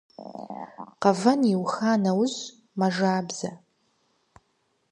Къэвэн иуха нэужь мэжабзэ.